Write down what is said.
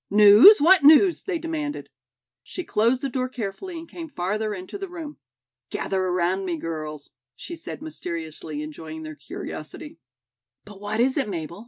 "News? What news?" they demanded. She closed the door carefully and came farther into the room. "Gather around me, girls," she said mysteriously, enjoying their curiosity. "But what is it, Mabel?